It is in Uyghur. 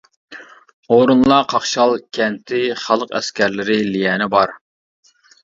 ئورۇنلار قاقشال كەنتى خەلق ئەسكەرلىرى ليەنى بار.